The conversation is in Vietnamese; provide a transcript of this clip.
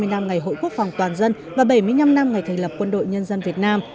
bảy mươi năm ngày hội quốc phòng toàn dân và bảy mươi năm năm ngày thành lập quân đội nhân dân việt nam